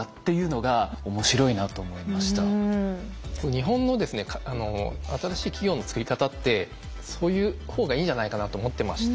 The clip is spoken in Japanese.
日本のですね新しい企業のつくり方ってそういう方がいいんじゃないかなと思ってまして。